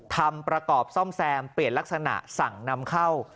ทำประกอบซ่อมแซมเปลี่ยนลักษณะสั่งนำเข้า